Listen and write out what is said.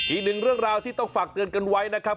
อีกหนึ่งเรื่องราวที่ต้องฝากเตือนกันไว้นะครับ